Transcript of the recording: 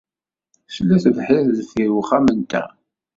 Tella tebḥirt deffir wexxam-nteɣ.